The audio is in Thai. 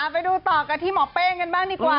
ไปดูต่อกันที่หมอเป้งกันบ้างดีกว่า